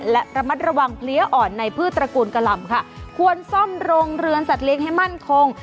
และระมัดระวังเพลี้ยอ่อนในพืชตระกูลกะหล่ำค่ะควรซ่อมโรงเรือนสัตว์เลี้ยงให้มั่นคง